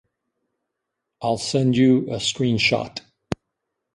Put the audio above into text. I'll send you a screenshot.